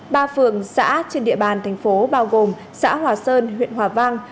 ba phường xã trên địa bàn thành phố bao gồm xã hòa sơn huyện hòa vang